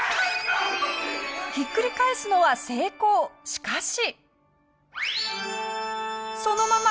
しかし。